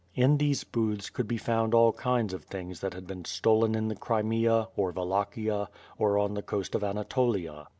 In these booths could l)e found all kinds of things that had been stolen in the Crimea, or WaHachia, or on the coast of Anatolia.